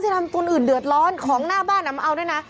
จะทำความสิ่งอื่นเดือดร้อนของหน้าบ้านอามาออกเลยนะ